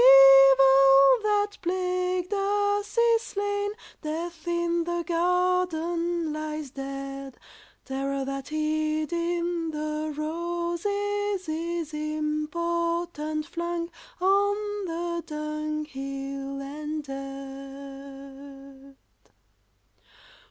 Evil that plagued us is slain, Death in the garden lies dead. Terror that hid in the roses is impotent flung on the dung hill and dead!